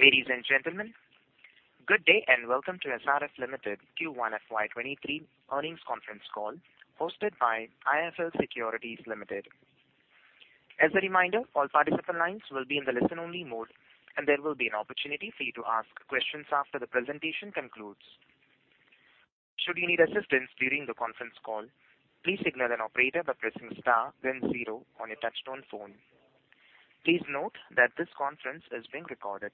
Ladies and gentlemen, good day, and welcome to SRF Limited Q1 FY 2023 earnings conference call hosted by IIFL Securities Limited. As a reminder, all participant lines will be in the listen-only mode, and there will be an opportunity for you to ask questions after the presentation concludes. Should you need assistance during the conference call, please signal an operator by pressing star then zero on your touchtone phone. Please note that this conference is being recorded.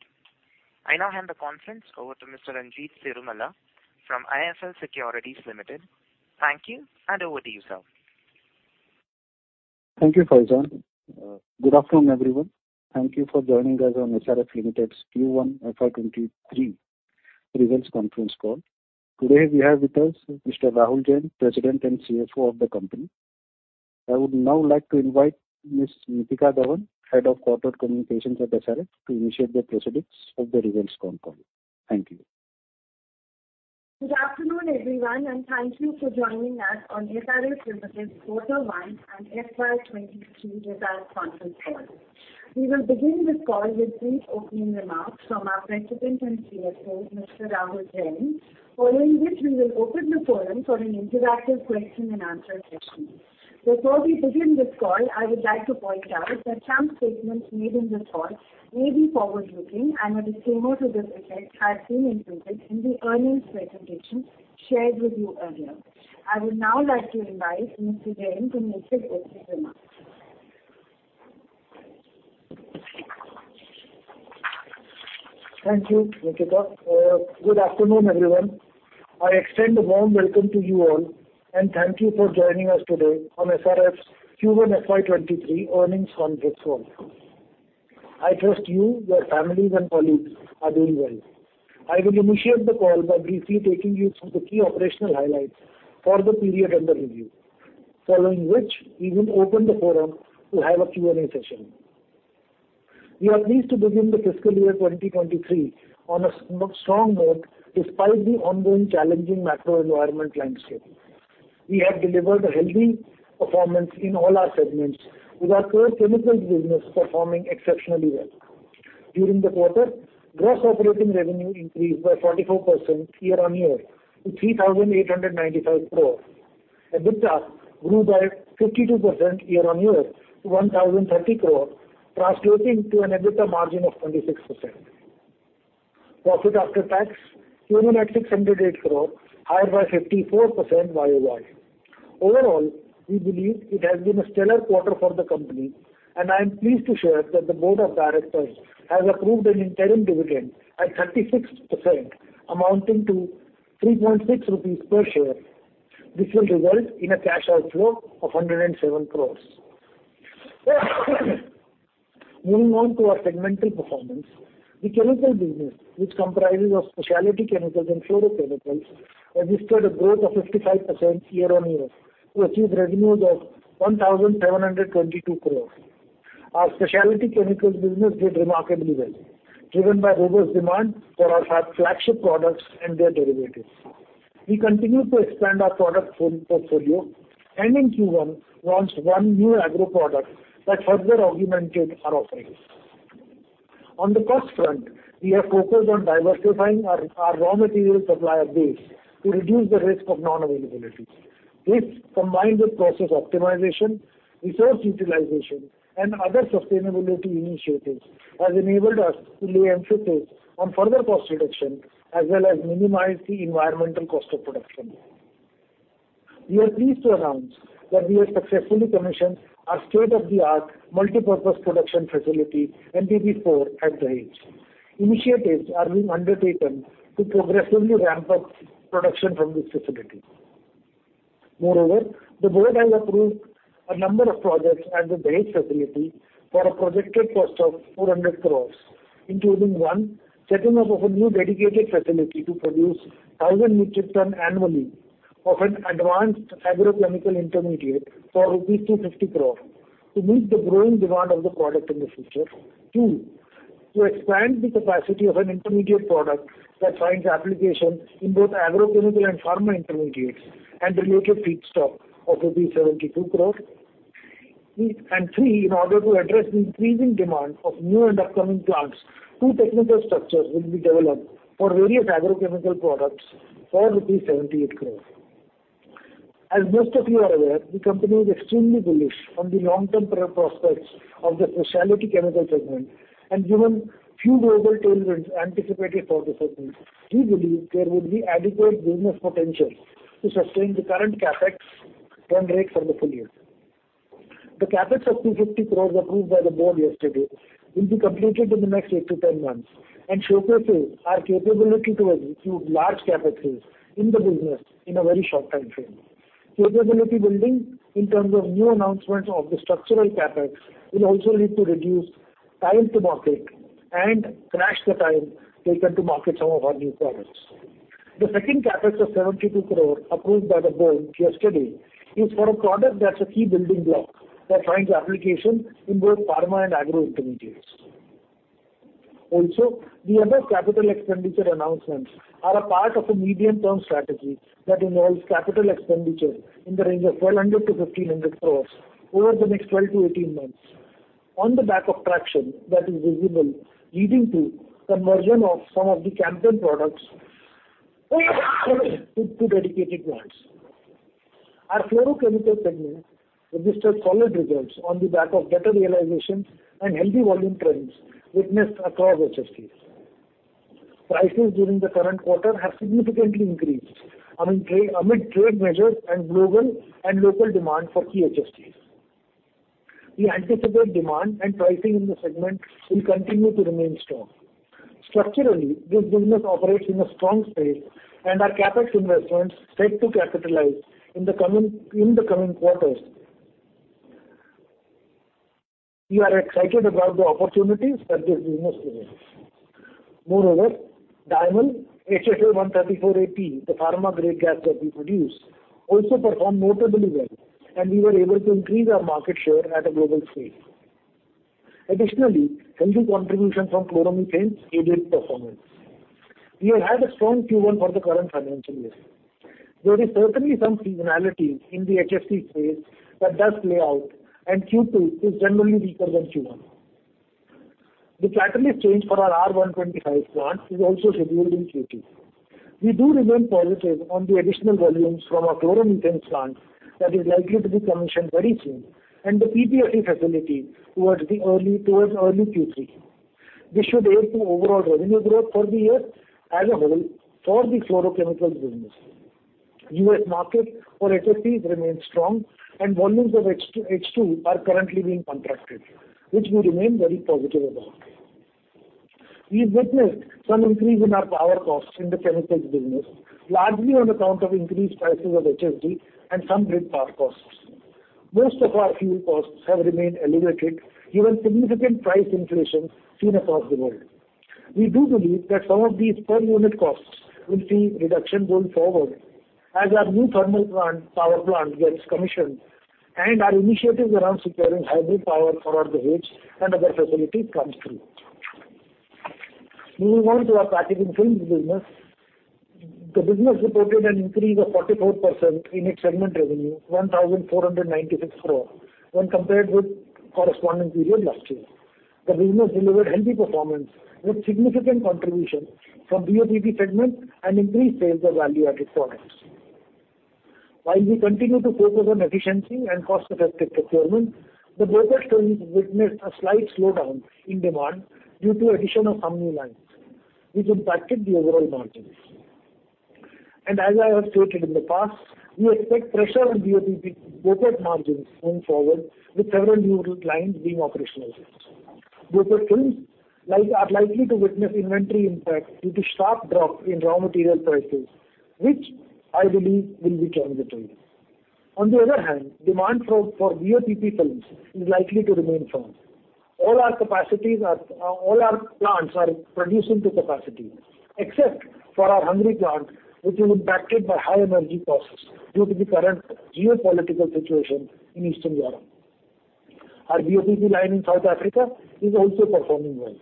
I now hand the conference over to Mr. Ranjit Cirumalla from IIFL Securities Limited. Thank you, and over to you, sir. Thank you, Faizan. Good afternoon, everyone. Thank you for joining us on SRF Limited's Q1 FY 2023 results conference call. Today we have with us Mr. Rahul Jain, President and CFO of the company. I would now like to invite Ms. Nitika Dhawan, Head of Corporate Communications at SRF, to initiate the proceedings of the results conference call. Thank you. Good afternoon, everyone, and thank you for joining us on SRF Limited's Q1 and FY 2023 results conference call. We will begin this call with brief opening remarks from our President and CFO, Mr. Rahul Jain, following which we will open the forum for an interactive question-and-answer session. Before we begin this call, I would like to point out that some statements made in this call may be forward-looking, and a disclaimer to this effect has been included in the earnings presentation shared with you earlier. I would now like to invite Mr. Jain to make his opening remarks. Thank you, Nitika. Good afternoon, everyone. I extend a warm welcome to you all, and thank you for joining us today on SRF's Q1 FY 2023 earnings conference call. I trust you, your families, and colleagues are doing well. I will initiate the call by briefly taking you through the key operational highlights for the period under review, following which we will open the forum to have a Q&A session. We are pleased to begin the fiscal year 2023 on a strong note despite the ongoing challenging macro environment landscape. We have delivered a healthy performance in all our segments, with our core chemicals business performing exceptionally well. During the quarter, gross operating revenue increased by 44% year-on-year to 3,895 crore. EBITDA grew by 52% year-on-year to 1,030 crore, translating to an EBITDA margin of 26%. Profit after tax came in at 608 crore, higher by 54% YOY. Overall, we believe it has been a stellar quarter for the company, and I am pleased to share that the Board of Directors has approved an interim dividend at 36%, amounting to 3.6 rupees per share, which will result in a cash outflow of 107 crore. Moving on to our segmental performance. The chemical business, which comprises of specialty chemicals and fluorochemicals, registered a growth of 55% year-on-year to achieve revenues of 1,722 crore. Our specialty chemicals business did remarkably well, driven by robust demand for our flagship products and their derivatives. We continue to expand our product portfolio and in Q1 launched one new agro product that further augmented our offerings. On the cost front, we have focused on diversifying our raw material supplier base to reduce the risk of non-availability. This, combined with process optimization, resource utilization, and other sustainability initiatives, has enabled us to lay emphasis on further cost reduction as well as minimize the environmental cost of production. We are pleased to announce that we have successfully commissioned our state-of-the-art multipurpose production facility, NPP4, at Dahej. Initiatives are being undertaken to progressively ramp up production from this facility. Moreover, the board has approved a number of projects at the Dahej facility for a projected cost of 400 crore, including one, setting up of a new dedicated facility to produce 1,000 metric tons annually of an advanced agrochemical intermediate for rupees 250 crore to meet the growing demand of the product in the future. Two, to expand the capacity of an intermediate product that finds application in both agrochemical and pharma intermediates and related feedstock of 72 crore. Three, in order to address the increasing demand of new and upcoming plants, two technical structures will be developed for various agrochemical products for rupees 78 crore. As most of you are aware, the company is extremely bullish on the long-term prospects of the specialty chemical segment. Given few global tailwinds anticipated for the segment, we believe there would be adequate business potential to sustain the current CapEx run rate for the full year. The CapEx of 250 crore approved by the board yesterday will be completed in the next 8-10 months and showcases our capability to execute large CapExes in the business in a very short timeframe. Capability building in terms of new announcements of the structural CapEx will also lead to reduced time to market and crush the time taken to market some of our new products. The second CapEx of 72 crore approved by the board yesterday is for a product that's a key building block that finds application in both pharma and agro intermediates. The other capital expenditure announcements are a part of a medium-term strategy that involves capital expenditure in the range of 1,200 crore-1,500 crore over the next 12-18 months on the back of traction that is visible, leading to conversion of some of the campaign products to two dedicated plants. Our fluorochemical segment registered solid results on the back of better realization and healthy volume trends witnessed across HFCs. Prices during the current quarter have significantly increased amid trade measures and global and local demand for key HFCs. We anticipate demand and pricing in the segment will continue to remain strong. Structurally, this business operates in a strong space, and our CapEx investments set to capitalize in the coming quarters. We are excited about the opportunities that this business presents. Moreover, HFC-134a/P, the pharma-grade gas that we produce, also performed notably well, and we were able to increase our market share at a global scale. Additionally, healthy contribution from chloromethane aided performance. We have had a strong Q1 for the current financial year. There is certainly some seasonality in the HFC space that does play out, and Q2 is generally weaker than Q1. The catalyst change for our R-125 plant is also scheduled in Q2. We do remain positive on the additional volumes from our chloromethane plant that is likely to be commissioned very soon, and the PTFE facility towards early Q3. This should aid the overall revenue growth for the year as a whole for the fluorochemicals business. U.S. market for HFCs remains strong and volumes of H2 are currently being contracted, which we remain very positive about. We've witnessed some increase in our power costs in the chemicals business, largely on account of increased prices of HSD and some grid power costs. Most of our fuel costs have remained elevated, given significant price inflation seen across the world. We do believe that some of these per unit costs will see reduction going forward as our new thermal plant, power plant gets commissioned and our initiatives around securing hybrid power for our Gujarat and other facilities comes through. Moving on to our packaging films business. The business reported an increase of 44% in its segment revenue, 1,496 crore, when compared with corresponding period last year. The business delivered healthy performance with significant contribution from BOPP segment and increased sales of value-added products. While we continue to focus on efficiency and cost-effective procurement, the BOPET films witnessed a slight slowdown in demand due to addition of some new lines, which impacted the overall margins. As I have stated in the past, we expect pressure on BOPP, BOPET margins going forward with several new clients being operationalized. BOPET films like are likely to witness inventory impact due to sharp drop in raw material prices, which I believe will be transitory. On the other hand, demand for BOPP films is likely to remain firm. All our plants are producing to capacity, except for our Hungary plant, which is impacted by high energy costs due to the current geopolitical situation in Eastern Europe. Our BOPP line in South Africa is also performing well.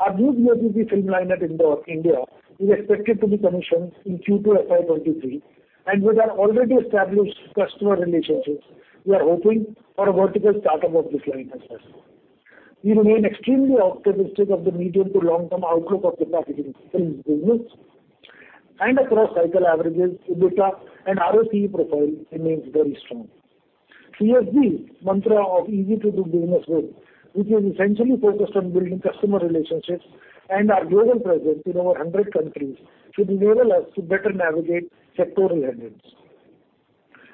Our new BOPP film line at India is expected to be commissioned in Q2 FY 2023, and with our already established customer relationships, we are hoping for a vertical start of this line as well. We remain extremely optimistic of the medium to long-term outlook of the packaging films business and across cycle averages, EBITDA and ROCE profile remains very strong. SRF mantra of easy to do business with, which is essentially focused on building customer relationships and our global presence in over 100 countries should enable us to better navigate sectoral headwinds.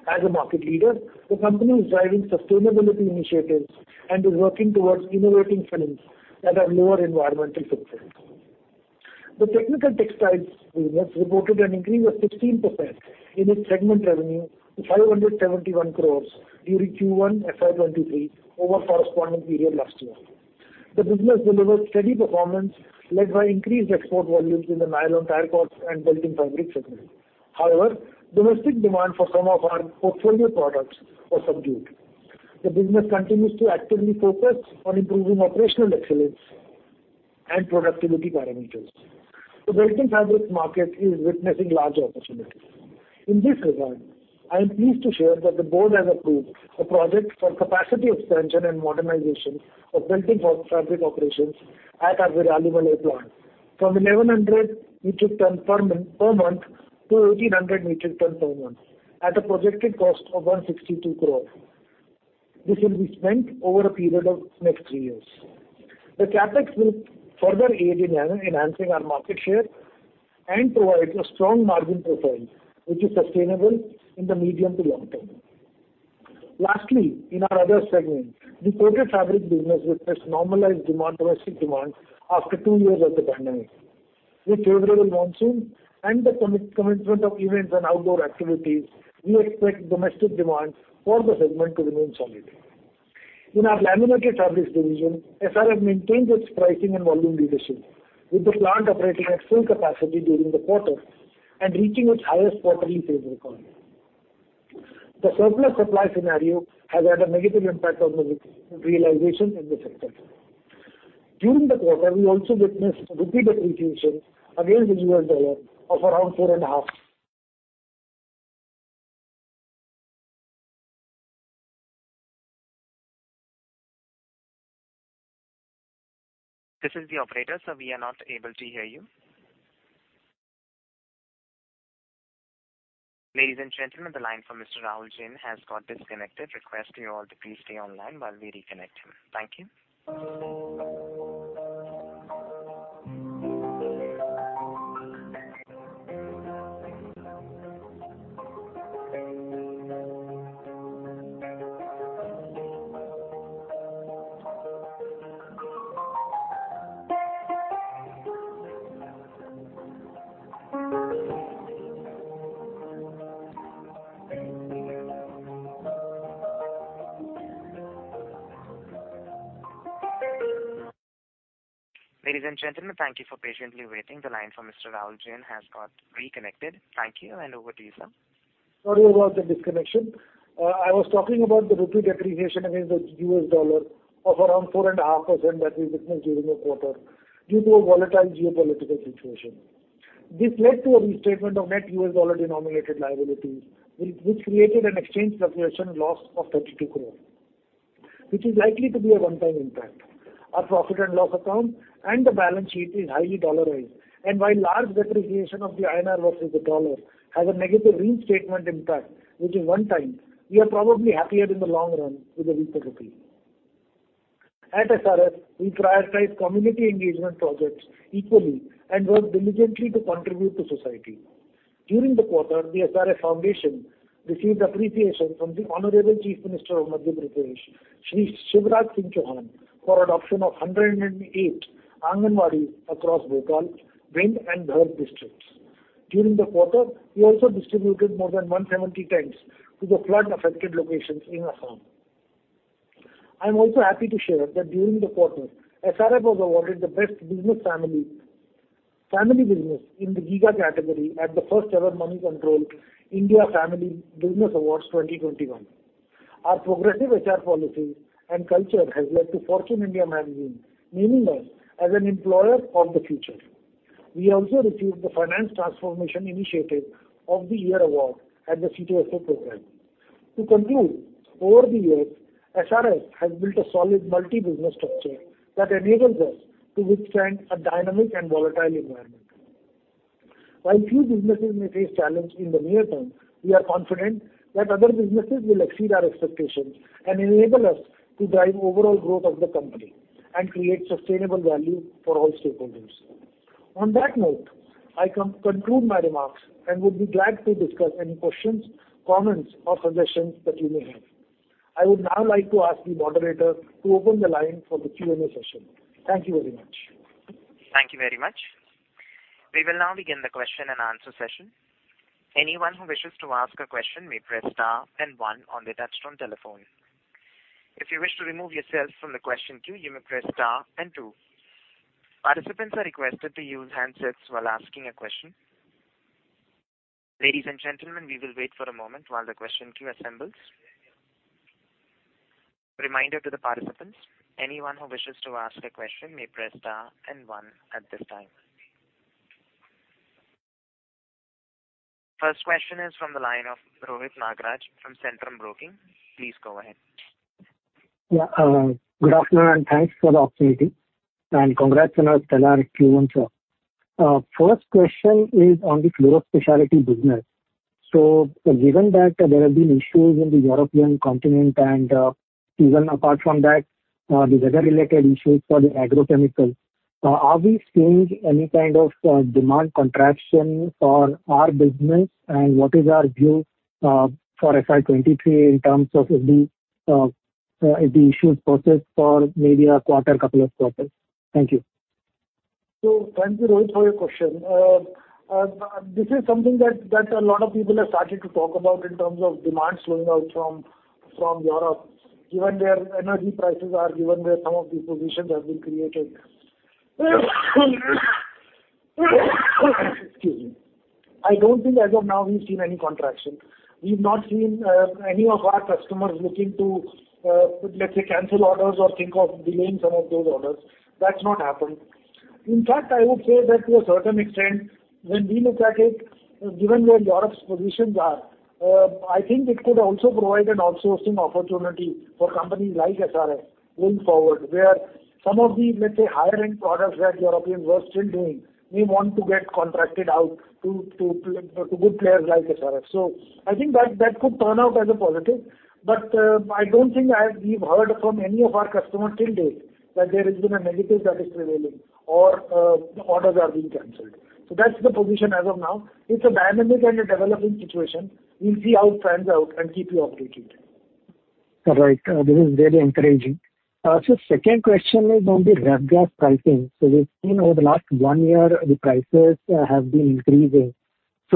As a market leader, the company is driving sustainability initiatives and is working towards innovating films that have lower environmental footprint. The technical textiles business reported an increase of 16% in its segment revenue to 571 crores during Q1 FY2023 over corresponding period last year. The business delivered steady performance led by increased export volumes in the nylon tire cord and belting fabric segment. However, domestic demand for some of our portfolio products was subdued. The business continues to actively focus on improving operational excellence and productivity parameters. The belting fabrics market is witnessing large opportunities. In this regard, I am pleased to share that the board has approved a project for capacity expansion and modernization of belting fabric operations at our Viralimalai plant from 1,100 metric tons per month to 1,800 metric tons per month at a projected cost of 162 crore. This will be spent over a period of next three years. The CapEx will further aid in enhancing our market share and provide a strong margin profile, which is sustainable in the medium to long term. Lastly, in our other segment, the coated fabric business witnessed normalized domestic demand after two years of the pandemic. With favorable monsoon and the commencement of events and outdoor activities, we expect domestic demand for the segment to remain solid. In our laminated fabrics division, SRF maintains its pricing and volume leadership, with the plant operating at full capacity during the quarter and reaching its highest quarterly sales record. The surplus supply scenario has had a negative impact on the realization in the segment. During the quarter, we also witnessed rupee depreciation against the US dollar of around 4.5%. This is the operator, sir. We are not able to hear you. Ladies and gentlemen, the line from Mr. Rahul Jain has got disconnected. Request you all to please stay online while we reconnect him. Thank you. Ladies and gentlemen, thank you for patiently waiting. The line from Mr. Rahul Jain has got reconnected. Thank you, and over to you, sir. Sorry about the disconnection. I was talking about the rupee depreciation against the U.S. dollar of around 4.5% that we witnessed during the quarter due to a volatile geopolitical situation. This led to a restatement of net U.S. dollar-denominated liabilities which created an exchange fluctuation loss of 32 crore, which is likely to be a one-time impact. Our profit and loss account and the balance sheet is highly dollarized. While large depreciation of the INR versus the dollar has a negative restatement impact, which is one time, we are probably happier in the long run with a weaker rupee. At SRF, we prioritize community engagement projects equally and work diligently to contribute to society. During the quarter, the SRF Foundation received appreciation from the Honorable Chief Minister of Madhya Pradesh, Shri Shivraj Singh Chouhan, for adoption of 108 Anganwadi across Bhopal, Bhind, and Dhar districts. During the quarter, we also distributed more than 170 tents to the flood-affected locations in Assam. I'm also happy to share that during the quarter, SRF was awarded the Best Business Family Business in the Giga category at the first-ever Moneycontrol India Family Business Awards 2021. Our progressive HR policy and culture has led to Fortune India magazine naming us as an employer of the future. We also received the Finance Transformation Initiative of the Year award at the C2FO program. To conclude, over the years, SRF has built a solid multi-business structure that enables us to withstand a dynamic and volatile environment. While few businesses may face challenge in the near term, we are confident that other businesses will exceed our expectations and enable us to drive overall growth of the company and create sustainable value for all stakeholders. On that note, I conclude my remarks and would be glad to discuss any questions, comments, or suggestions that you may have. I would now like to ask the moderator to open the line for the Q&A session. Thank you very much. Thank you very much. We will now begin the question-and-answer session. Anyone who wishes to ask a question may press star and one on their touchtone telephone. If you wish to remove yourself from the question queue, you may press star and two. Participants are requested to use handsets while asking a question. Ladies and gentlemen, we will wait for a moment while the question queue assembles. Reminder to the participants, anyone who wishes to ask a question may press star and one at this time. First question is from the line of Rohit Nagaraj from Centrum Broking. Please go ahead. Yeah. Good afternoon, and thanks for the opportunity. Congrats on Q1. First question is on the fluoro specialty business. Given that there have been issues in the European continent and even apart from that, the weather-related issues for the agrochemicals, are we seeing any kind of demand contraction for our business, and what is our view for FY 2023 in terms of if the issues persist for maybe a quarter, couple of quarters? Thank you. Thank you, Rohit, for your question. This is something that a lot of people have started to talk about in terms of demand slowing out from Europe, given their energy prices and where some of the positions have been created. Excuse me. I don't think as of now we've seen any contraction. We've not seen any of our customers looking to, let's say, cancel orders or think of delaying some of those orders. That's not happened. In fact, I would say that to a certain extent, when we look at it, given where Europe's positions are, I think it could also provide an outsourcing opportunity for companies like SRF going forward, where some of the, let's say, higher-end products that Europeans were still doing may want to get contracted out to good players like SRF. I think that could turn out as a positive. I don't think we've heard from any of our customers till date that there has been a negative that is prevailing or orders are being canceled. That's the position as of now. It's a dynamic and a developing situation. We'll see how it pans out and keep you updated. All right. This is very encouraging. Second question is on the R-gas pricing. We've seen over the last one year the prices have been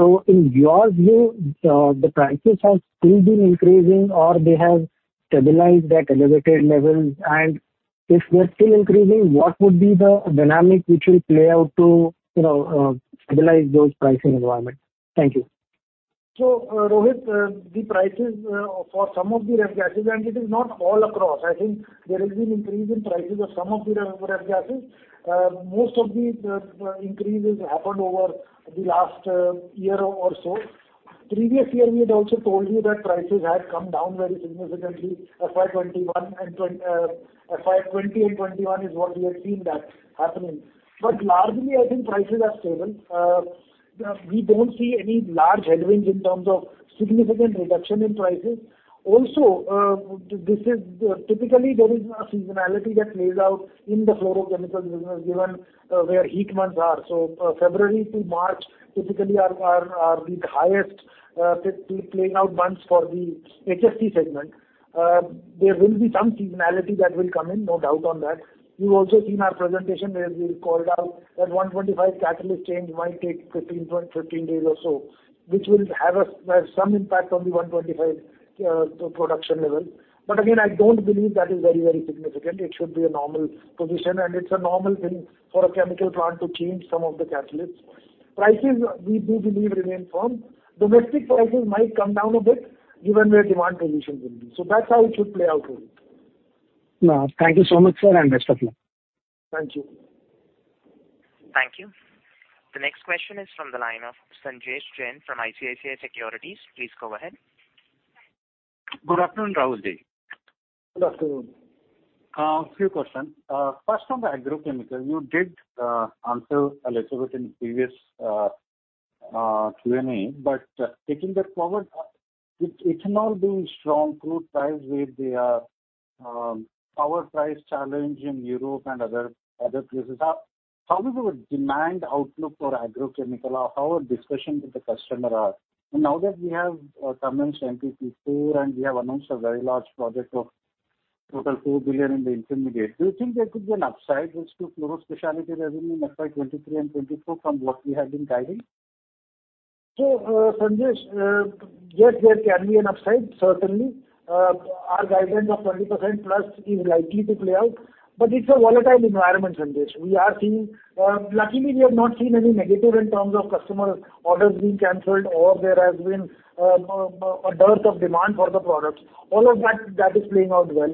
increasing. In your view, the prices have still been increasing or they have stabilized at elevated levels? If they're still increasing, what would be the dynamic which will play out to, you know, stabilize those pricing environments? Thank you. Rohit, the prices for some of the ref gases, and it is not all across, I think there has been increase in prices of some of the ref gases. Most of the increases happened over the last year or so. Previous year, we had also told you that prices had come down very significantly, FY 2020 and 2021 is what we had seen that happening. Largely, I think prices are stable. We don't see any large headwinds in terms of significant reduction in prices. Also, this is typically there is a seasonality that plays out in the fluorochemical business given where hot months are. February to March typically are the highest playing out months for the HFC segment. There will be some seasonality that will come in, no doubt on that. You've also seen our presentation where we called out that R-125 catalyst change might take 15.15 days or so, which will have some impact on the R-125 production level. Again, I don't believe that is very, very significant. It should be a normal position, and it's a normal thing for a chemical plant to change some of the catalysts. Prices, we do believe remain firm. Domestic prices might come down a bit given where demand conditions will be. That's how it should play out for you. No, thank you so much, sir, and best of luck. Thank you. Thank you. The next question is from the line of Sanjesh Jain from ICICI Securities. Please go ahead. Good afternoon, Rahul Jain. Good afternoon. Few questions. First on the agrochemical, you did answer a little bit in previous Q&A, but taking that forward, it cannot be strong through times where there are power price challenge in Europe and other places. How is your demand outlook for agrochemical? How are discussions with the customer? And now that we have commenced NPP4 and we have announced a very large project of total 2 billion in the intermediate, do you think there could be an upside risk to fluoro specialty revenue in FY 2023 and 2024 from what we have been guiding? Sanjesh, yes, there can be an upside, certainly. Our guidance of 20%+ is likely to play out, but it's a volatile environment, Sanjesh. Luckily, we have not seen any negative in terms of customer orders being canceled or there has been a dearth of demand for the products. All of that is playing out well.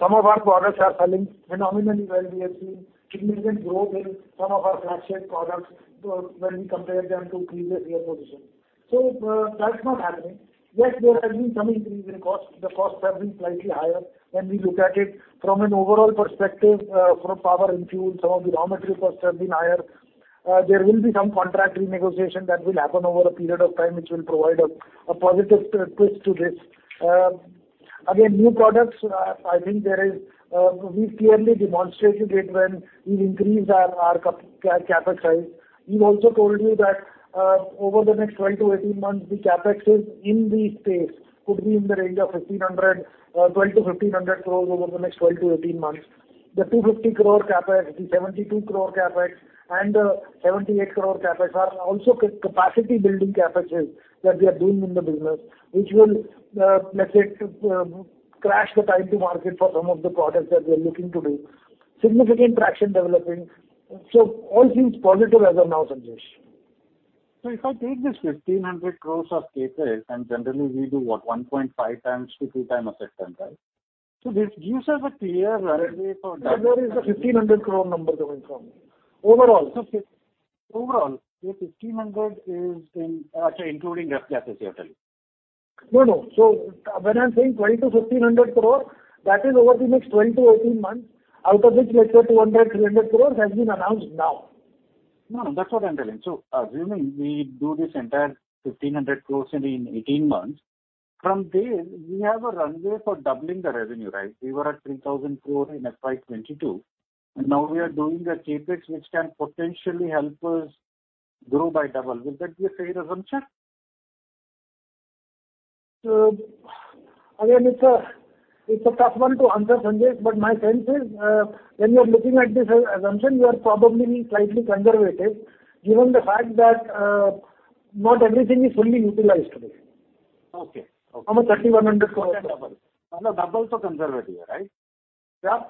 Some of our products are selling phenomenally well. We have seen significant growth in some of our flagship products when we compare them to previous year position. That's not happening. Yes, there has been some increase in costs. The costs have been slightly higher when we look at it from an overall perspective, from power and fuel, some of the raw material costs have been higher. There will be some contract renegotiation that will happen over a period of time, which will provide a positive twist to this. Again, new products, I think there is, we've clearly demonstrated it when we've increased our CapEx size. We've also told you that, over the next 12-18 months, the CapExes in this space could be in the range of 1,200-1,500 crores over the next 12-18 months. The 250 crore CapEx, the 72 crore CapEx, and the 78 crore CapEx are also capacity building CapExes that we are doing in the business, which will, let's say, crash the time to market for some of the products that we're looking to do. Significant traction developing. All seems positive as of now, Sanjesh. If I take this 1,500 crores of CapEx, and generally we do what? 1.5 times to 2 times asset turn, right? This gives us a clear runway for- Where is the INR 1,500 crore number coming from? Overall. So fi- Overall. So fifteen hundred is in... Okay, including R-gas, you're telling. No, no. When I'm saying 1,200 crore-1,500 crore, that is over the next 12-18 months, out of which let's say 200 crore-300 crore has been announced now. No, that's what I'm telling. Assuming we do this entire 1,500 crore in eighteen months, from there we have a runway for doubling the revenue, right? We were at 3,000 crore in FY 2022, and now we are doing a CapEx which can potentially help us grow by double. Would that be a fair assumption? Again, it's a tough one to answer, Sanjesh, but my sense is, when you are looking at this assumption, you are probably being slightly conservative given the fact that not everything is fully utilized today. Okay. On the thirty-one hundred crore- Double. On the double, so conservative, right? Yeah.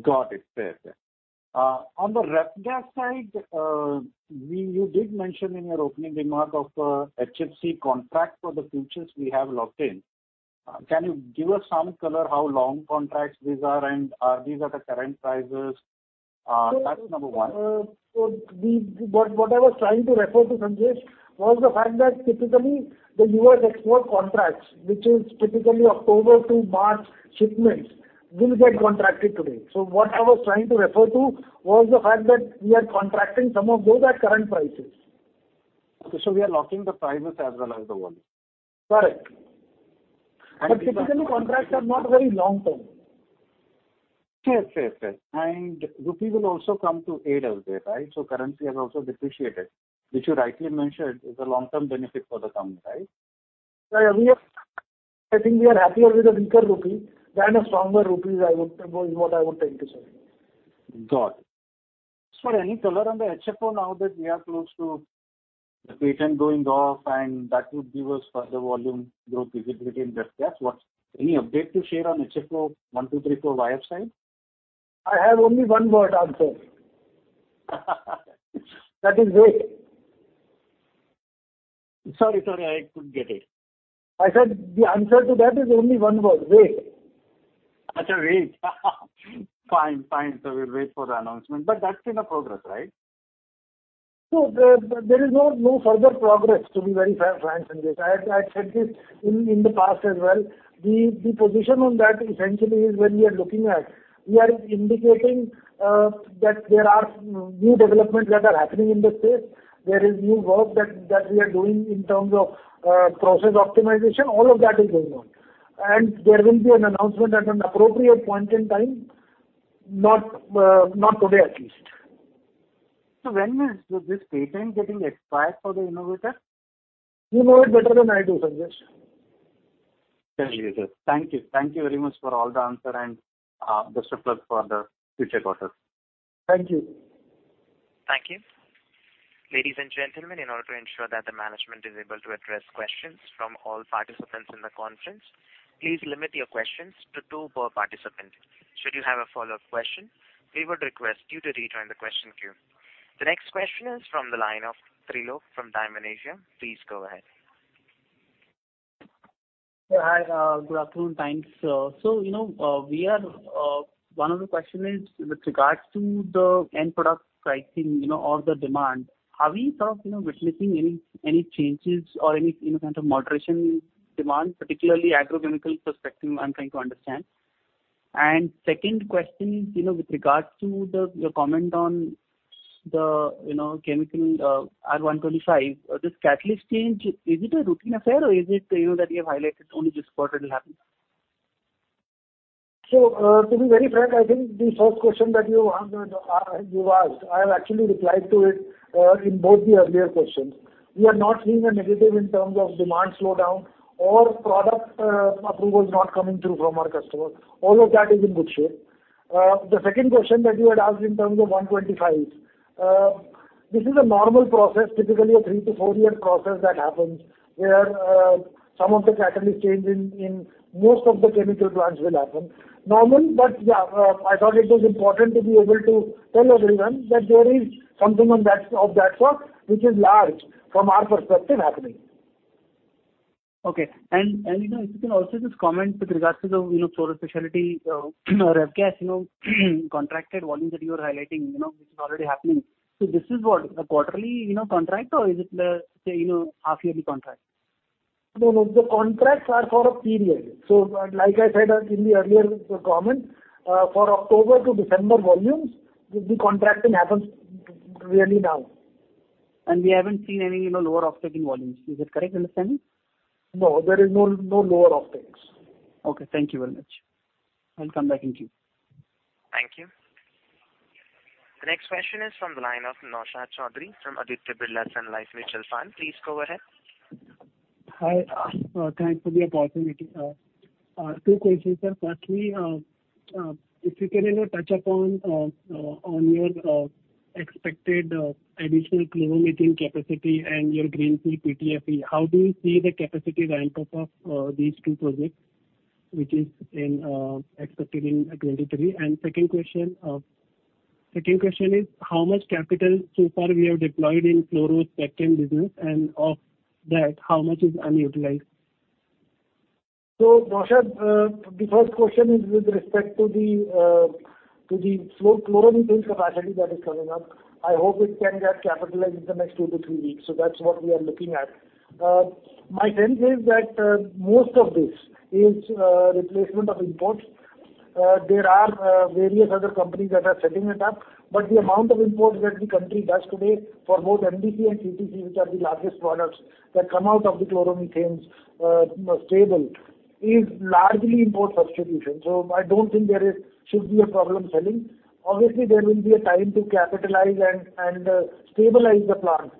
Got it. Fair. On the R-gas side, you did mention in your opening remark of HFC contract for the futures we have locked in. Can you give us some color how long contracts these are and are these at the current prices? That is number one. What I was trying to refer to, Sanjesh, was the fact that typically the U.S. export contracts, which is typically October to March shipments, will get contracted today. What I was trying to refer to was the fact that we are contracting some of those at current prices. Okay. We are locking the prices as well as the volume. Correct. And- Typically, contracts are not very long-term. Fair. Rupee will also come to aid us there, right? Currency has also depreciated, which you rightly mentioned is a long-term benefit for the company, right? I think we are happier with a weaker rupee than a stronger rupee is what I would think is right. Got it. Sir, any color on the HFO now that we are close to the patent going off and that would give us further volume growth visibility in R-gas? Any update to share on HFO-1234yf side? I have only one-word answer. That is wait. Sorry, I couldn't get it. I said the answer to that is only one word, wait. Wait. Fine. We'll wait for the announcement. That's in progress, right? There is no further progress, to be very fair, frank in this. I had said this in the past as well. The position on that essentially is we are indicating that there are new developments that are happening in the space. There is new work that we are doing in terms of process optimization. All of that is going on. There will be an announcement at an appropriate point in time, not today at least. When is this patent getting expired for the innovator? You know it better than I do, Sanjesh. Thank you, sir. Thank you. Thank you very much for all the answer and best of luck for the future quarter. Thank you. Thank you. Ladies and gentlemen, in order to ensure that the management is able to address questions from all participants in the conference, please limit your questions to two per participant. Should you have a follow-up question, we would request you to rejoin the question queue. The next question is from the line of Trilok from Dymon Asia. Please go ahead. Yeah, hi, good afternoon. Thanks. So, you know, one of the questions is with regards to the end product pricing, you know, or the demand. Have you sort of, you know, witnessing any, you know, kind of moderation demand, particularly agrochemical perspective I'm trying to understand? Second question is, you know, with regards to your comment on the, you know, chemical R-125, this catalyst change, is it a routine affair or is it, you know, that you have highlighted only this quarter it'll happen? To be very frank, I think the first question that you have, you've asked, I have actually replied to it, in both the earlier questions. We are not seeing a negative in terms of demand slowdown or product, approvals not coming through from our customers. All of that is in good shape. The second question that you had asked in terms of R-125, this is a normal process, typically a 3-4 year process that happens, where, some of the catalyst change in most of the chemical plants will happen. Normally, but yeah, I thought it was important to be able to tell everyone that there is something on that, of that sort, which is large from our perspective happening. You know, if you can also just comment with regards to the, you know, fluoro specialty, R-gas, you know, contracted volumes that you are highlighting, you know, which is already happening. This is what, a quarterly, you know, contract or is it a, say, you know, half yearly contract? No, no. The contracts are for a period. Like I said in the earlier comment, for October to December volumes, the contracting happens really now. We haven't seen any, you know, lower offtake volumes. Is it correct understanding? No, there is no lower offtakes. Okay, thank you very much. I'll come back in queue. Thank you. The next question is from the line of Naushad Chaudhary from Aditya Birla Sun Life Mutual Fund. Please go ahead. Hi. Thanks for the opportunity. Two questions, sir. Firstly, if you can, you know, touch upon on your expected additional chloromethane capacity and your greenfield PTFE. How do you see the capacity ramp up of these two projects, which is expected in 2023? Second question is how much capital so far we have deployed in fluoro specialty business, and of that, how much is unutilized? Naushad, the first question is with respect to the chloromethane capacity that is coming up. I hope it can get capitalized in the next 2-3 weeks. That's what we are looking at. My sense is that most of this is replacement of imports. There are various other companies that are setting it up, but the amount of imports that the country does today for both MDC and CTC, which are the largest products that come out of the chloromethane stable, is largely import substitution. I don't think there should be a problem selling. Obviously, there will be a time to capitalize and stabilize the plant.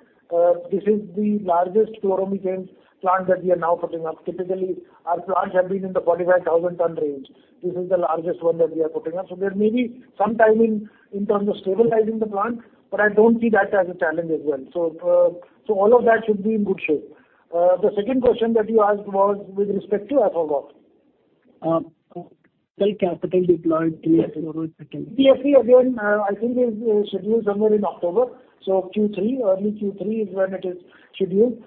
This is the largest chloromethane plant that we are now putting up. Typically, our plants have been in the 45,000-ton range. This is the largest one that we are putting up. There may be some timing in terms of stabilizing the plant, but I don't see that as a challenge as well. All of that should be in good shape. The second question that you asked was with respect to? I forgot. Total capital deployed to your fluoro specialty. PTFE again, I think is scheduled somewhere in October. Q3, early Q3 is when it is scheduled.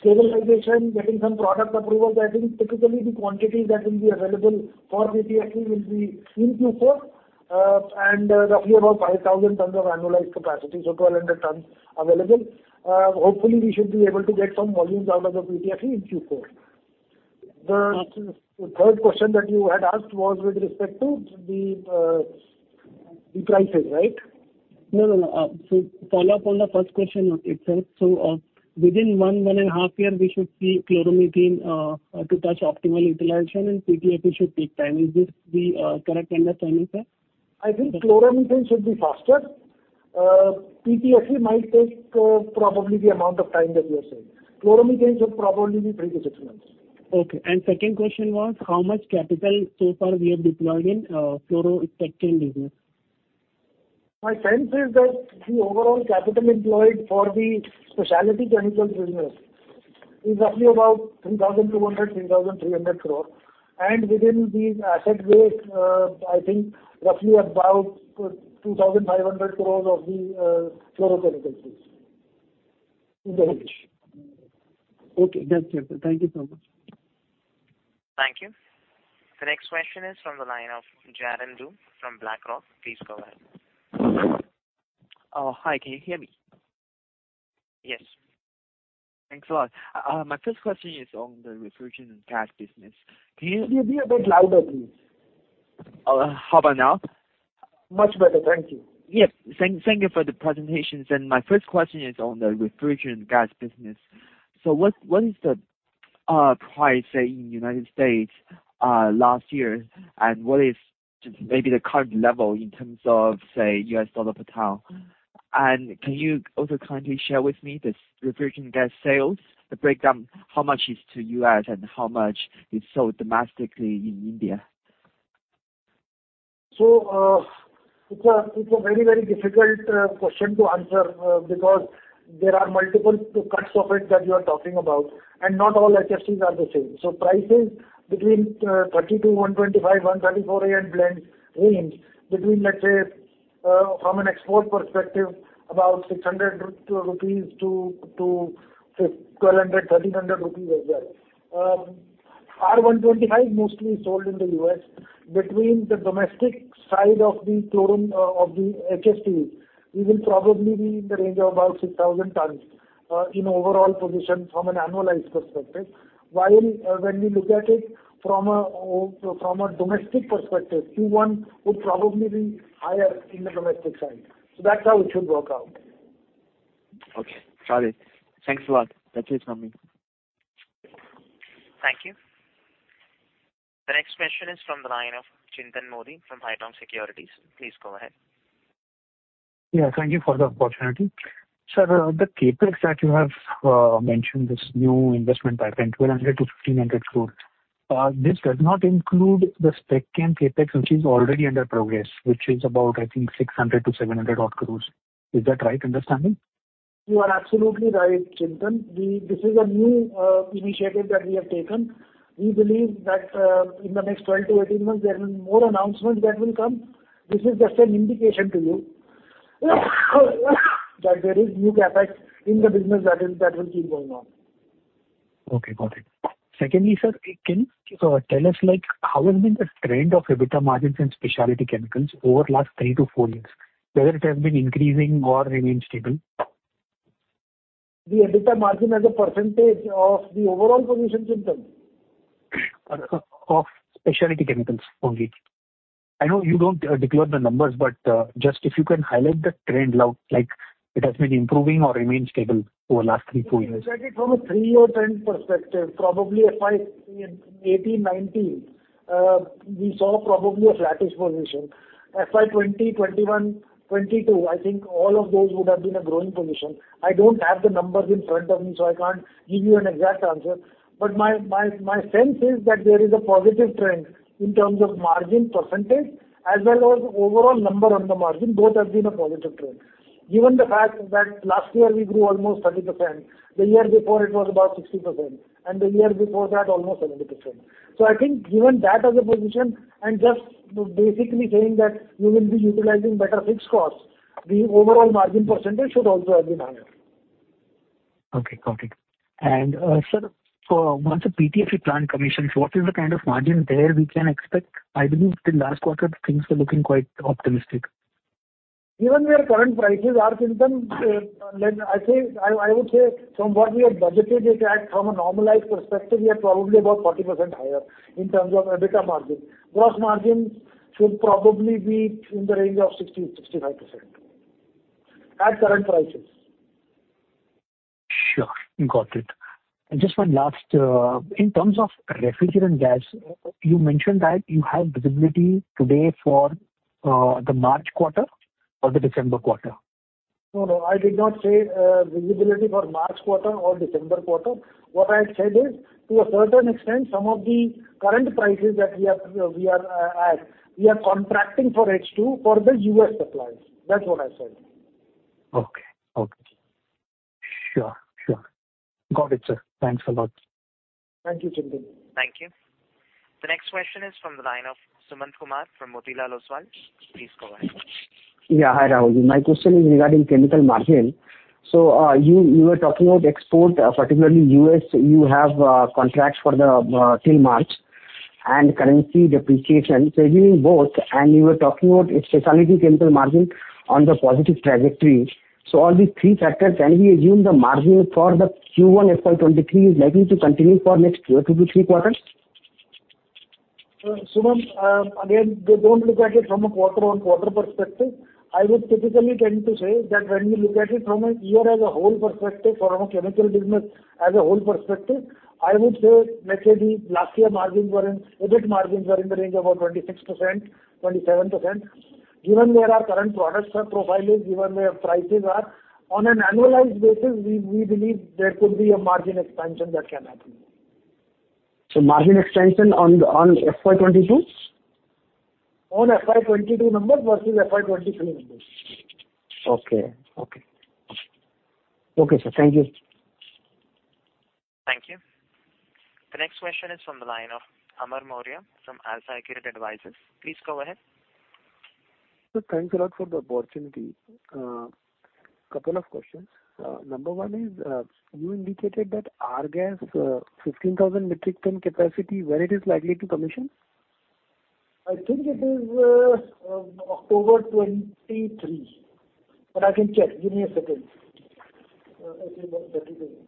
Stabilization, getting some product approvals, I think typically the quantities that will be available for PTFE will be in Q4, and roughly about 5,000 tons of annualized capacity, so 1,200 tons available. Hopefully we should be able to get some volumes out of the PTFE in Q4. The third question that you had asked was with respect to the prices, right? No, no. Follow up on the first question itself. Within 1-1.5 years, we should see chloromethane to touch optimal utilization and PTFE should take time. Is this the correct understanding, sir? I think Chloromethane should be faster. PTFE might take, probably the amount of time that you are saying. Chloromethane should probably be 3-6 months. Okay. Second question was how much capital so far we have deployed in fluoro specialty business? My sense is that the overall capital employed for the specialty chemical business is roughly about 3,200 crore-3,300 crore. Within the asset base, I think roughly about 2,500 crores of the fluoro chemicals is in the mix. Okay, that's it, sir. Thank you so much. Thank you. The next question is from the line of Jaron Du from BlackRock. Please go ahead. Oh, hi. Can you hear me? Yes. Thanks a lot. My first question is on the refrigerant and gas business. Can you- Can you be a bit louder, please? How about now? Much better. Thank you. Thank you for the presentations. My first question is on the refrigerant gas business. What is the price, say, in the United States, last year, and what is just maybe the current level in terms of, say, U.S. dollar per ton? Can you also kindly share with me the refrigerant gas sales, the breakdown, how much is to the U.S. and how much is sold domestically in India? It's a very difficult question to answer because there are multiple cuts of it that you are talking about, and not all HFCs are the same. Prices between R-32, R-125 and R-134a blend range between, let's say, from an export perspective, about 600 rupees to 1,200, 1,300 rupees as well. R-125 mostly sold in the U.S. Between the domestic side of the chlorine of the HFC, we will probably be in the range of about 6,000 tons in overall position from an annualized perspective. While when we look at it from a domestic perspective, Q1 would probably be higher in the domestic side. That's how it should work out. Okay. Got it. Thanks a lot. That's it from me. Thank you. The next question is from the line of Chintan Modi from Haitong Securities. Please go ahead. Yeah, thank you for the opportunity. Sir, the CapEx that you have mentioned, this new investment pipeline, 1,200 crore-1,500 crores, this does not include the Spec Chem CapEx which is already under progress, which is about, I think, 600-700 odd crores. Is that right understanding? You are absolutely right, Chintan. This is a new initiative that we have taken. We believe that in the next 12-18 months, there will be more announcements that will come. This is just an indication to you that there is new CapEx in the business that will keep going on. Okay, got it. Secondly, sir, can you tell us, like, how has been the trend of EBITDA margins in specialty chemicals over last 3-4 years, whether it has been increasing or remained stable? The EBITDA margin as a percentage of the overall position, Chintan? Of Specialty Chemicals only. I know you don't declare the numbers, but, just if you can highlight the trend, like it has been improving or remained stable over the last three, four years. If you look at it from a three-year trend perspective, probably FY 2018, 2019, we saw probably a flattish position. FY 2020, 2021, 2022, I think all of those would have been a growing position. I don't have the numbers in front of me, so I can't give you an exact answer. My sense is that there is a positive trend in terms of margin percentage as well as overall number on the margin. Both have been a positive trend. Given the fact that last year we grew almost 30%, the year before it was about 60%, and the year before that almost 70%. I think given that as a position and just basically saying that we will be utilizing better fixed costs, the overall margin percentage should also have been higher. Okay. Got it. Sir, for once the PTFE plant commissions, what is the kind of margin there we can expect? I believe in last quarter things were looking quite optimistic. Given where current prices are, Chintan, I think I would say from what we have budgeted it at, from a normalized perspective, we are probably about 40% higher in terms of EBITDA margin. Gross margin should probably be in the range of 60%-65% at current prices. Sure. Got it. Just one last. In terms of refrigerant gas, you mentioned that you have visibility today for the March quarter or the December quarter? No, no, I did not say visibility for March quarter or December quarter. What I said is, to a certain extent, some of the current prices that we are at. We are contracting for H2 for the U.S. supplies. That's what I said. Okay. Sure. Got it, sir. Thanks a lot. Thank you, Chintan. Thank you. The next question is from the line of Sumant Kumar from Motilal Oswal. Please go ahead. Yeah. Hi, Rahul. My question is regarding chemical margin. You were talking about export, particularly U.S. You have contracts for the till March and currency depreciation. Giving both, and you were talking about a specialty chemical margin on the positive trajectory. All these three factors, can we assume the margin for the Q1 FY 2023 is likely to continue for next two to three quarters? Sumant, again, they don't look at it from a quarter-on-quarter perspective. I would typically tend to say that when you look at it from a year as a whole perspective or from a chemical business as a whole perspective, I would say let's say the last year margins were in, EBIT margins were in the range of about 26%-27%. Given where our current product profile is, given where prices are, on an annualized basis, we believe there could be a margin expansion that can happen. Margin expansion on FY 2022? On FY 2022 numbers versus FY 2023 numbers. Okay, sir. Thank you. Thank you. The next question is from the line of Amar Maurya from AlfAccurate Advisors. Please go ahead. Sir, thanks a lot for the opportunity. Couple of questions. Number one is, you indicated that R-gas, 15,000 metric ton capacity, when it is likely to commission? I think it is October 2023. I can check. Give me a second. I think that is it.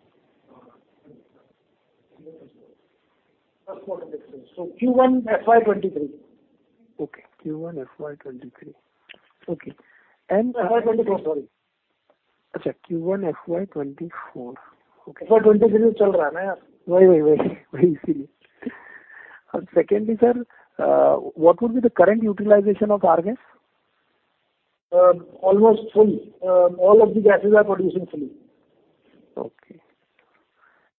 Q1 FY 2023. Okay. Q1 FY 2023. Okay. FY 2024, sorry. Okay. Q1 FY 2024. Okay. FY 2023 Secondly, sir, what would be the current utilization of R-gas? Almost full. All of the gases are producing fully. Okay.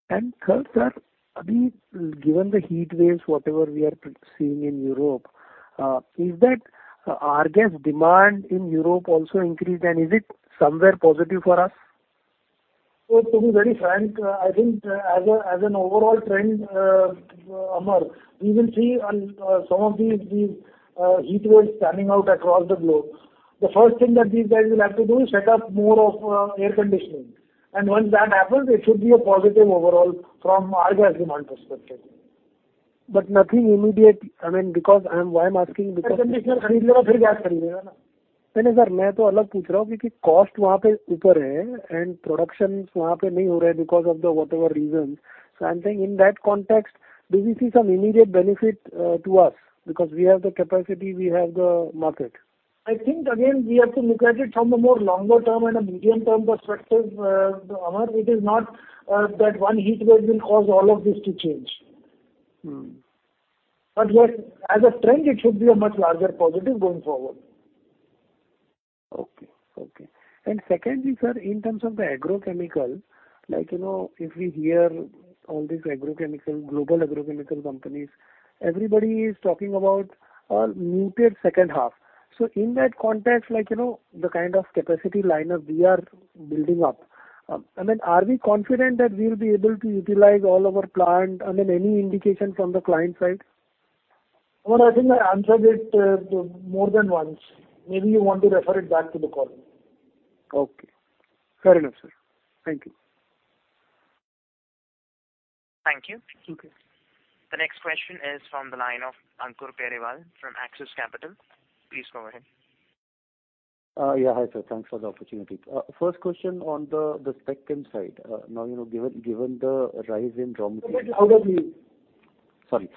Third, sir, I mean, given the heat waves, whatever we are seeing in Europe, is that R-gas demand in Europe also increased and is it somewhere positive for us? To be very frank, I think, as an overall trend, Amar, we will see some of these heat waves panning out across the globe. The first thing that these guys will have to do is set up more of air conditioning. Once that happens, it should be a positive overall from R-gas demand perspective. Nothing immediate. I mean, why I'm asking because Air conditioning No, no, sir. Secondly, sir, in terms of the agrochemicals, like, you know, if we hear all these agrochemical, global agrochemical companies, everybody is talking about a muted second half. In that context, like, you know, the kind of capacity lineup we are building up, I mean, are we confident that we'll be able to utilize all of our plant? I mean, any indication from the client side? Well, I think I answered it, more than once. Maybe you want to refer it back to the call. Okay. Fair enough, sir. Thank you. Thank you. Okay. The next question is from the line of Ankur Periwal from Axis Capital. Please go ahead. Yeah. Hi, sir. Thanks for the opportunity. First question on the Spec Chem side. Now, you know, given the rise in raw material- How does we- Sorry.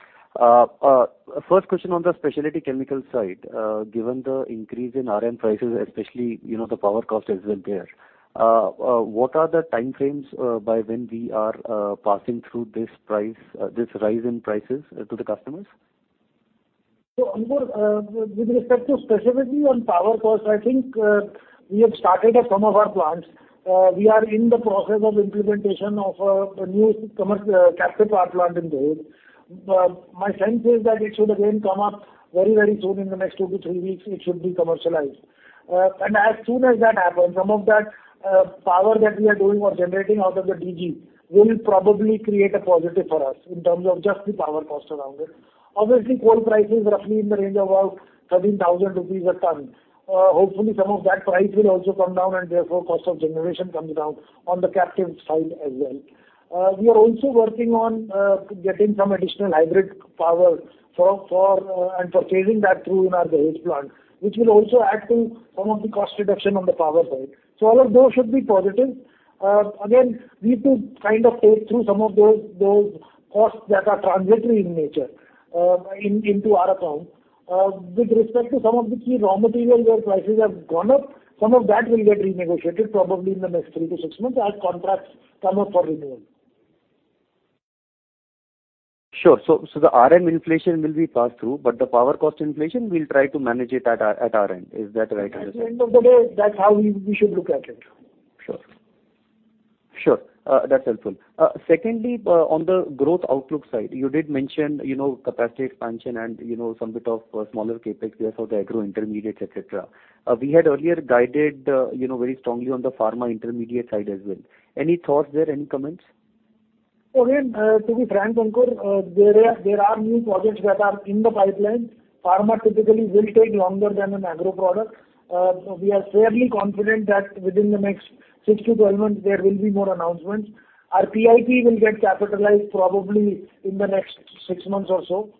First question on the specialty chemical side, given the increase in RM prices, especially, you know, the power cost as well there, what are the time frames by when we are passing through this price, this rise in prices to the customers? Ankur, with respect to specifically on power cost, I think, we have started at some of our plants. We are in the process of implementation of, the new customer captive power plant in Gujarat. My sense is that it should again come up very, very soon in the next 2-3 weeks, it should be commercialized. And as soon as that happens, some of that power that we are doing or generating out of the DG will probably create a positive for us in terms of just the power cost around it. Obviously, coal price is roughly in the range of about 13,000 rupees a ton. Hopefully, some of that price will also come down, and therefore cost of generation comes down on the captive side as well. We are also working on getting some additional hybrid power for phasing that through in our Gujarat plant, which will also add to some of the cost reduction on the power side. All of those should be positive. Again, we need to kind of take through some of those costs that are transitory in nature into our account. With respect to some of the key raw materials where prices have gone up, some of that will get renegotiated probably in the next 3-6 months as contracts come up for renewal. Sure. The RM inflation will be passed through, but the power cost inflation, we'll try to manage it at our end. Is that right or At the end of the day, that's how we should look at it. Sure. That's helpful. Secondly, on the growth outlook side, you did mention, you know, capacity expansion and, you know, some bit of smaller CapEx there for the agro intermediates, et cetera. We had earlier guided, you know, very strongly on the pharma intermediate side as well. Any thoughts there? Any comments? Again, to be frank, Ankur, there are new projects that are in the pipeline. Pharma typically will take longer than an agro product. We are fairly confident that within the next 6-12 months, there will be more announcements. Our PIP will get capitalized probably in the next six months or so.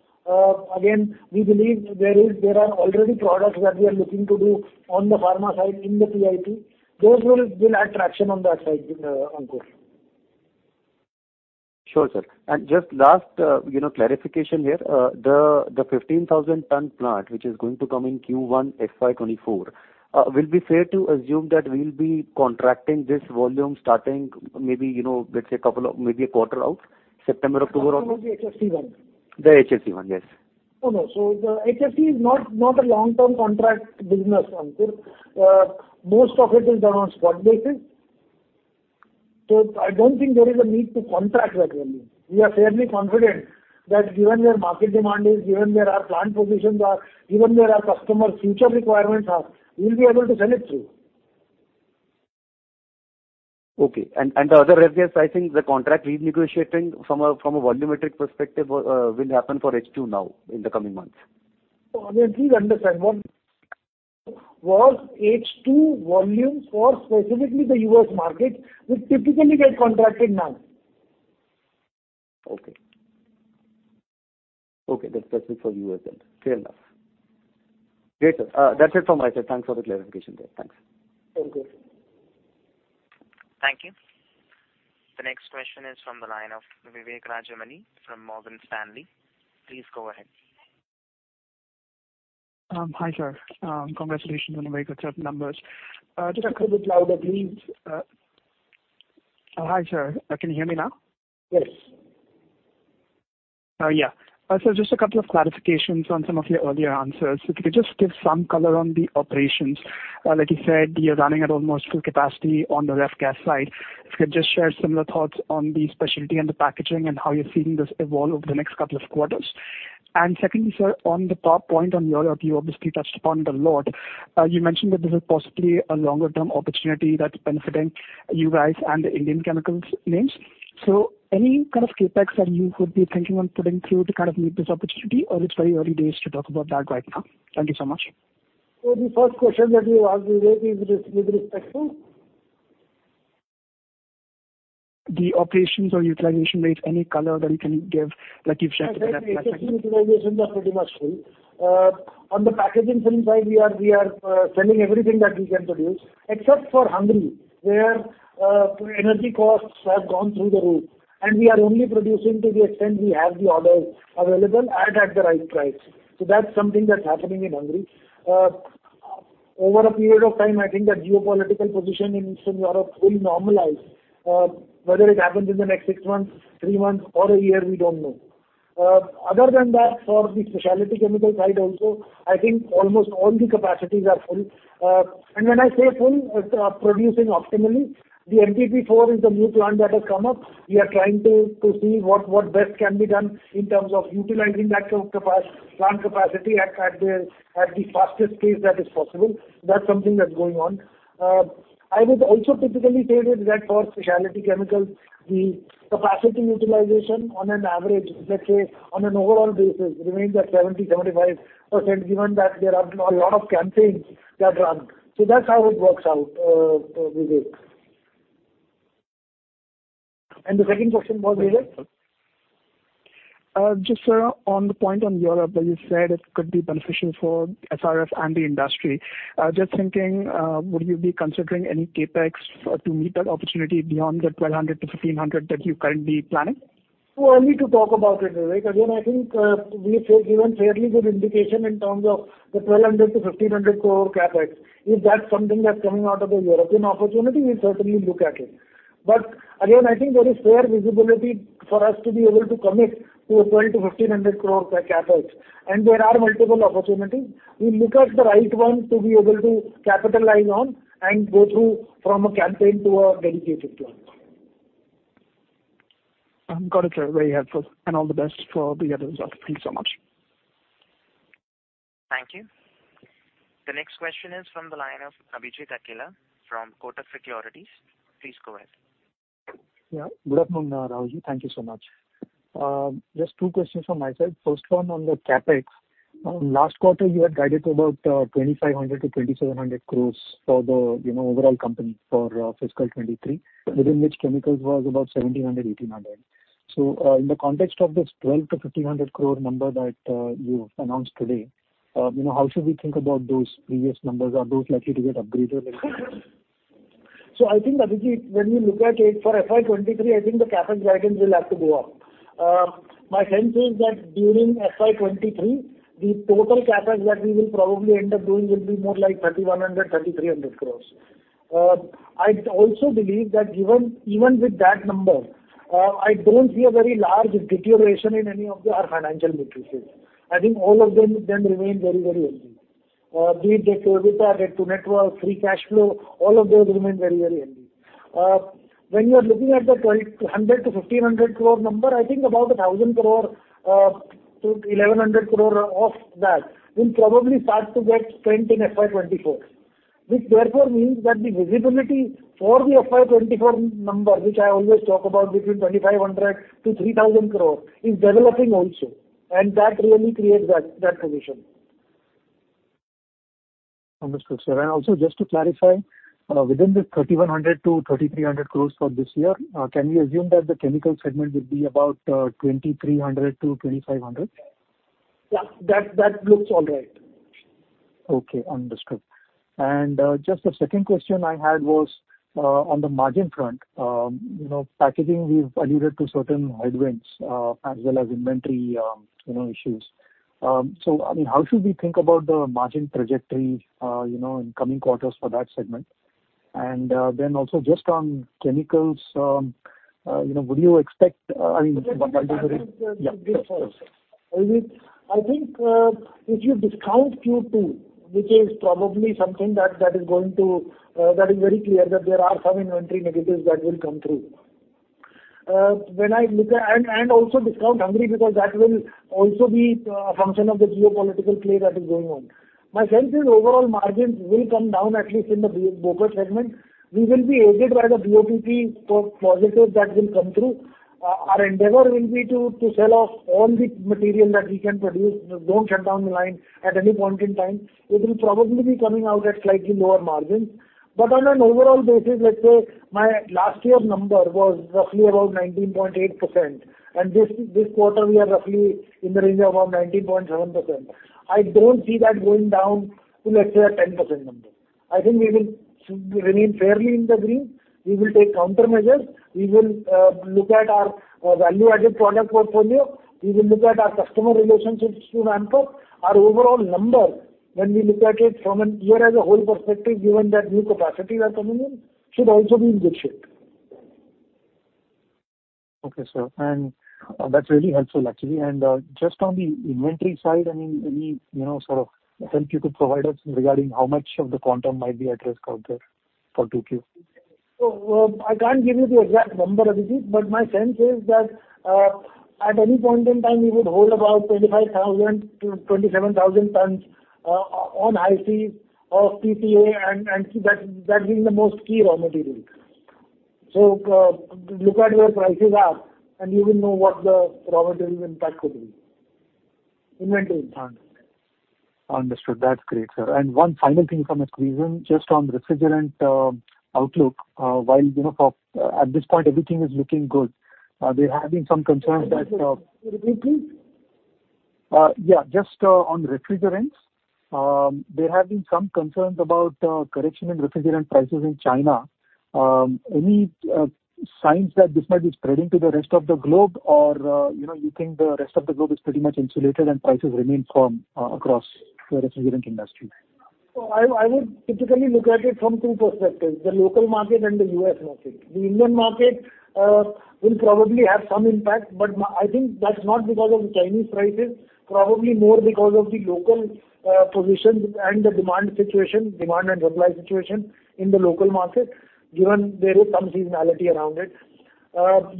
Again, we believe there are already products that we are looking to do on the pharma side in the PIP. Those will add traction on that side, Ankur. Sure, sir. Just last clarification here. The 15,000-ton plant, which is going to come in Q1 FY 2024, will be fair to assume that we'll be contracting this volume starting maybe, you know, let's say a couple of, maybe a quarter out, September, October or- You're talking about the HFC one? The HFC one, yes. No, no. The HFC is not a long-term contract business, Ankur. Most of it is done on spot basis. I don't think there is a need to contract that volume. We are fairly confident that given where market demand is, given where our plant positions are, given where our customer's future requirements are, we'll be able to sell it through. Okay. The other R-gas, I think the contract renegotiating from a volumetric perspective, will happen for H2 now in the coming months. Obviously, understand what was H2 volumes for specifically the U.S. market, which typically get contracted now. Okay. That's it for U.S. then. Fair enough. Great, sir. That's it from my side. Thanks for the clarification there. Thanks. Thank you. Thank you. The next question is from the line of Vivek Rajamani from Morgan Stanley. Please go ahead. Hi sir. Congratulations on a very good set of numbers. Just a little bit louder please. Hi, sir. Can you hear me now? Yes. Yeah. So just a couple of clarifications on some of your earlier answers. If you could just give some color on the operations. Like you said, you're running at almost full capacity on the R-gas side. If you could just share similar thoughts on the specialty and the packaging and how you're seeing this evolve over the next couple of quarters. Secondly, sir, on the topic on Europe, you obviously touched upon it a lot. You mentioned that this is possibly a longer term opportunity that's benefiting you guys and the Indian chemicals names. Any kind of CapEx that you could be thinking on putting through to kind of meet this opportunity, or it's very early days to talk about that right now? Thank you so much. The first question that you asked me, Vivek, is with respect to? The operations or utilization rates, any color that you can give, like you've shared for the packaging. Specialty chemical utilizations are pretty much full. On the packaging films side, we are selling everything that we can produce, except for Hungary, where energy costs have gone through the roof, and we are only producing to the extent we have the orders available at the right price. That's something that's happening in Hungary. Over a period of time, I think the geopolitical position in Eastern Europe will normalize. Whether it happens in the next six months, three months or a year, we don't know. Other than that, for the specialty chemical side also, I think almost all the capacities are full. When I say full, it's producing optimally. The NPP4 is a new plant that has come up. We are trying to see what best can be done in terms of utilizing that plant capacity at the fastest pace that is possible. That's something that's going on. I would also typically say that for specialty chemicals, the capacity utilization on an average, let's say on an overall basis remains at 75%, given that there are a lot of campaigns that run. So that's how it works out, Vivek. The second question was, Vivek? Just, sir, on the point on Europe that you said it could be beneficial for SRF and the industry. Just thinking, would you be considering any CapEx to meet that opportunity beyond the 1,200-1,500 that you're currently planning? Too early to talk about it, Vivek. Again, I think, we've given fairly good indication in terms of the 1,200 crore-1,500 crore CapEx. If that's something that's coming out of the European opportunity, we'll certainly look at it. Again, I think there is fair visibility for us to be able to commit to a 1,200 crore-1,500 crore CapEx, and there are multiple opportunities. We look at the right one to be able to capitalize on and go through from a campaign to a dedicated plan. Got it, sir. Very helpful. All the best for the results. Thank you so much. Thank you. The next question is from the line of Abhijeet Akela from Kotak Securities. Please go ahead. Yeah. Good afternoon, Rahul Jain. Thank you so much. Just two questions from my side. First one on the CapEx. Last quarter, you had guided to about 2,500 crore-2,700 crore for the overall company for fiscal 2023, within which chemicals was about 1,700 crore-1,800 crore. In the context of this 1,200 crore-1,500 crore number that you've announced today, how should we think about those previous numbers? Are those likely to get upgraded in any way? I think, Abhijeet, when you look at it for FY 2023, I think the CapEx guidance will have to go up. My sense is that during FY 2023, the total CapEx that we will probably end up doing will be more like 3,100 crore-3,300 crore. I also believe that given even with that number, I don't see a very large deterioration in any of our financial metrics. I think all of them remain very, very healthy. Be it the EBITDA, debt to net worth, free cash flow, all of those remain very, very healthy. When you are looking at the 1,200 crore-1,500 crore number, I think about 1,000 crore-1,100 crore of that will probably start to get spent in FY 2024. Which therefore means that the visibility for the FY 2024 number, which I always talk about between 2,500 crore-3,000 crore, is developing also, and that really creates that position. Understood, sir. Also just to clarify, within the 3,100 crore-3,300 crore for this year, can we assume that the chemical segment will be about 2,300 crore-2,500 crore? Yeah, that looks all right. Okay, understood. Just the second question I had was on the margin front. You know, packaging, we've alluded to certain headwinds, as well as inventory, you know, issues. I mean, how should we think about the margin trajectory, you know, in coming quarters for that segment? Then also just on chemicals, you know, would you expect, I mean- I think if you discount Q2, which is very clear that there are some inventory negatives that will come through. When I look at and also discount HFC because that will also be a function of the geopolitical play that is going on. My sense is overall margins will come down at least in the BOPET segment. We will be aided by the BOPP positive that will come through. Our endeavor will be to sell off all the material that we can produce. Don't shut down the line at any point in time. It will probably be coming out at slightly lower margins. On an overall basis, let's say my last year's number was roughly about 19.8%, and this quarter we are roughly in the range of about 19.7%. I don't see that going down to let's say a 10% number. I think we will remain fairly in the green. We will take countermeasures. We will look at our value-added product portfolio. We will look at our customer relationships to ramp up. Our overall number when we look at it from a year as a whole perspective, given that new capacity we are coming in, should also be in good shape. Okay, sir. That's really helpful actually. Just on the inventory side, I mean, any, you know, sort of sense you could provide us regarding how much of the quantum might be at risk out there for 2Q? I can't give you the exact number, Abhijeet, but my sense is that at any point in time, we would hold about 25,000-27,000 tons on inventory of PTA and that being the most key raw material. Look at where prices are, and you will know what the raw material impact could be. Inventory. Understood. That's great, sir. One final thing from my side. Just on refrigerant outlook, at this point everything is looking good. There have been some concerns that. Could you repeat, please? Yeah. Just on refrigerants, there have been some concerns about correction in refrigerant prices in China. Any signs that this might be spreading to the rest of the globe or, you know, you think the rest of the globe is pretty much insulated and prices remain firm across the refrigerant industry? I would typically look at it from two perspectives, the local market and the U.S. market. The Indian market will probably have some impact, but I think that's not because of the Chinese prices, probably more because of the local positions and the demand situation, demand and supply situation in the local market, given there is some seasonality around it.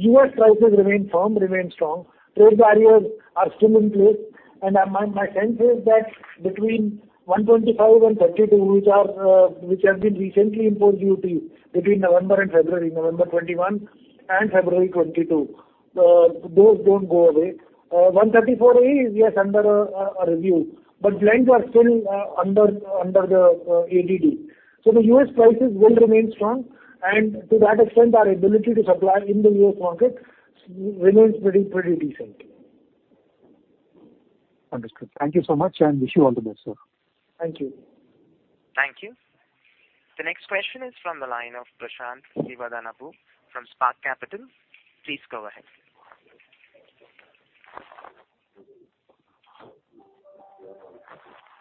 U.S. prices remain firm, strong. Trade barriers are still in place. My sense is that between R-125 and R-32, which have been recently import duty between November 2021 and February 2022, those don't go away. R-134a is, yes, under review, but R-32 is still under the ADD. The U.S. prices will remain strong, and to that extent, our ability to supply in the U.S. market remains pretty decent. Understood. Thank you so much, and wish you all the best, Sir. Thank you. Thank you. The next question is from the line of Prashant Sivadhanapu from Spark Capital. Please go ahead.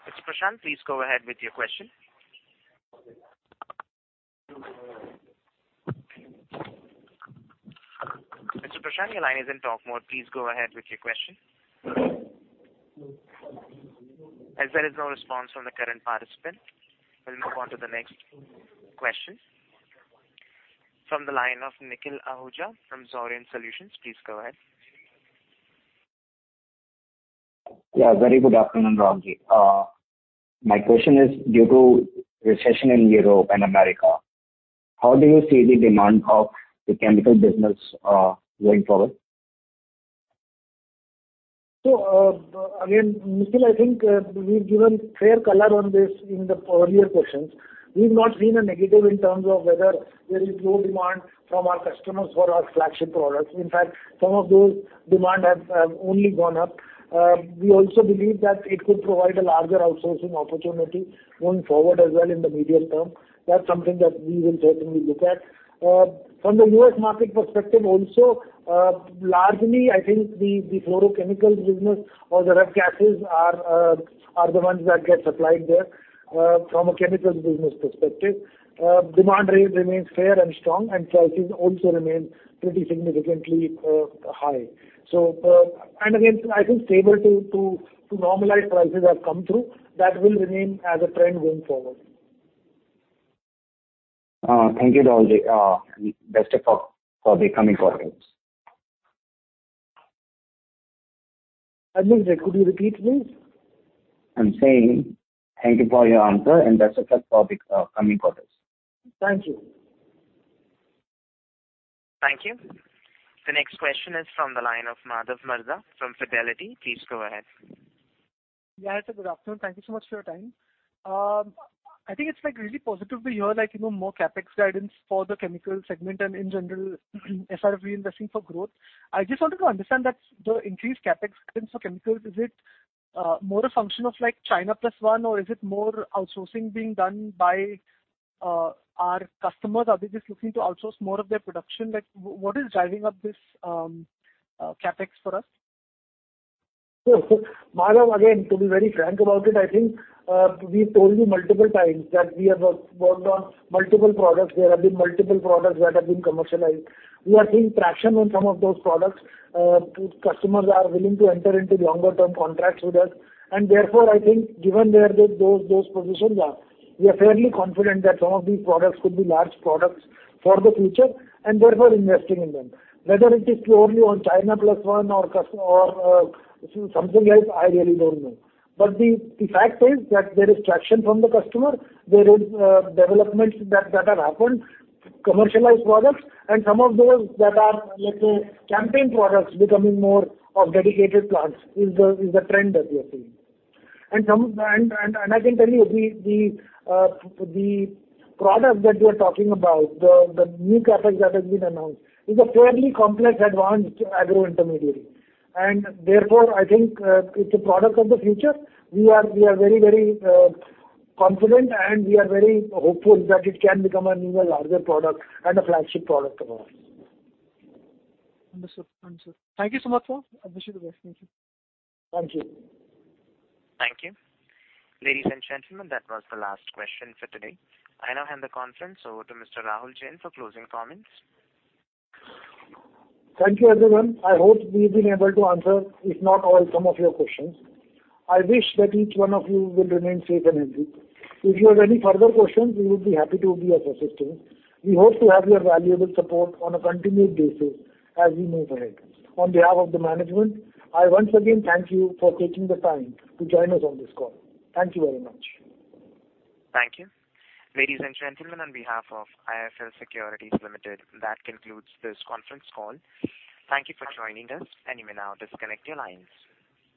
Mr. Prashant, please go ahead with your question. Mr. Prashant, your line is in talk mode. Please go ahead with your question. As there is no response from the current participant, we'll move on to the next question. From the line of Nikhil Ahuja from Zurion Solutions. Please go ahead. Yeah, very good afternoon, Rahulji. My question is due to recession in Europe and America, how do you see the demand of the chemical business going forward? Again, Nikhil, I think we've given fair color on this in the earlier questions. We've not seen a negative in terms of whether there is low demand from our customers for our flagship products. In fact, some of those demand have only gone up. We also believe that it could provide a larger outsourcing opportunity going forward as well in the medium term. That's something that we will certainly look at. From the U.S. market perspective also, largely, I think the fluorochemical business or the R-gas are the ones that get supplied there, from a chemicals business perspective. Demand remains fair and strong, and prices also remain pretty significantly high. And again, I think stable to normalize prices have come through. That will remain as a trend going forward. Thank you, Rahulji. Best of luck for the coming quarters. I'm sorry. Could you repeat, please? I'm saying thank you for your answer, and best of luck for the coming quarters. Thank you. Thank you. The next question is from the line of Madhav Marda from Fidelity. Please go ahead. Yeah. Good afternoon. Thank you so much for your time. I think it's like really positive to hear like, you know, more CapEx guidance for the chemical segment and in general SRF investing for growth. I just wanted to understand that the increased CapEx guidance for chemicals, is it more a function of like China plus one or is it more outsourcing being done by our customers? Are they just looking to outsource more of their production? Like, what is driving up this CapEx for us? Sure. Madhav, again, to be very frank about it, I think we've told you multiple times that we have worked on multiple products. There have been multiple products that have been commercialized. We are seeing traction on some of those products. Customers are willing to enter into longer term contracts with us. Therefore, I think given where those positions are, we are fairly confident that some of these products could be large products for the future and therefore investing in them. Whether it is purely on China plus one or something else, I really don't know. The fact is that there is traction from the customer. There is developments that have happened, commercialized products, and some of those that are, let's say, campaign products becoming more of dedicated plants is the trend that we are seeing. I can tell you the product that you are talking about, the new CapEx that has been announced, is a fairly complex advanced agro intermediary. Therefore, I think it's a product of the future. We are very confident, and we are very hopeful that it can become an even larger product and a flagship product of ours. Understood. Thank you so much, sir. I wish you the best. Thank you. Thank you. Thank you. Ladies and gentlemen, that was the last question for today. I now hand the conference over to Mr. Rahul Jain for closing comments. Thank you, everyone. I hope we've been able to answer, if not all, some of your questions. I wish that each one of you will remain safe and healthy. If you have any further questions, we would be happy to be of assistance. We hope to have your valuable support on a continued basis as we move ahead. On behalf of the management, I once again thank you for taking the time to join us on this call. Thank you very much. Thank you. Ladies and gentlemen, on behalf of IIFL Securities Limited, that concludes this conference call. Thank you for joining us, and you may now disconnect your lines.